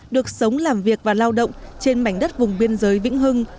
được sống làm việc và lao động trên mảnh đất vùng biên giới vĩnh hưng